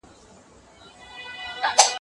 لوى خانان او مالداران يې پاچاهان وه